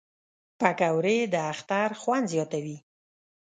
پکورې د اختر خوند زیاتوي